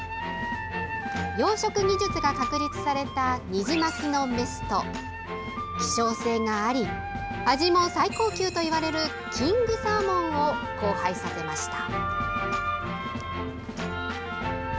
養殖技術が確立されたニジマスのメスと希少性があり味も最高級といわれるキングサーモンを交配させました。